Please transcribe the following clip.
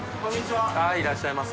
はいいらっしゃいませ。